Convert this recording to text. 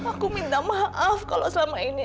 aku minta maaf kalau selama ini